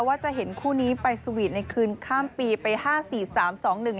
ว่าจะเห็นคู่นี้ไปสวีทในคืนข้ามปีไปห้าสี่สามสองหนึ่ง